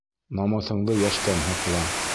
Намыҫыңды йәштән һаҡла.